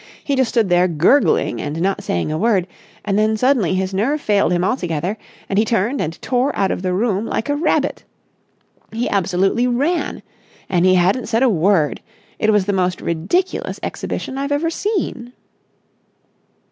He just stood there gurgling and not saying a word, and then suddenly his nerve failed him altogether and he turned and tore out of the room like a rabbit. He absolutely ran! And he hadn't said a word! It was the most ridiculous exhibition I've ever seen!"